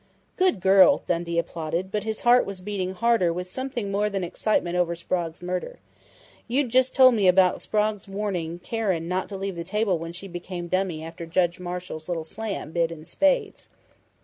"Good girl!" Dundee applauded, but his heart was beating hard with something more than excitement over Sprague's murder. "You'd just told me about Sprague's warning Karen not to leave the table when she became dummy after Judge Marshall's little slam bid in spades."